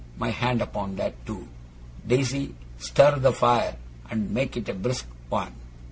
My hand upon that, too! Daisy, stir the fire, and make it a brisk one!